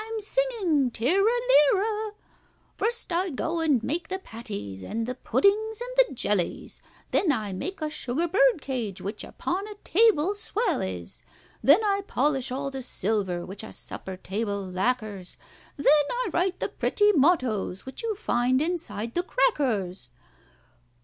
I'm singing 'Tirer, lirer!' "First I go and make the patties, and the puddings, and the jellies, Then I make a sugar bird cage, which upon a table swell is; "Then I polish all the silver, which a supper table lacquers; Then I write the pretty mottoes which you find inside the crackers."